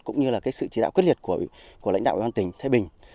cũng như là cái sự chỉ đạo quyết liệt của lãnh đạo ủy ban tỉnh thái bình